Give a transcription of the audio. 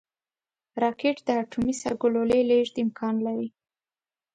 راکټ د اټومي سرګلولې لیږد امکان لري